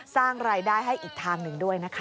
สร้างรายได้ให้อีกทางหนึ่งด้วยนะคะ